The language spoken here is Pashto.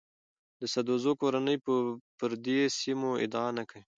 د سدوزو کورنۍ به پر دې سیمو ادعا نه کوي.